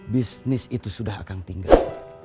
bisnis itu sudah akan tinggal